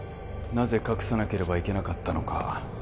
なぜ隠さなければいけなかったのか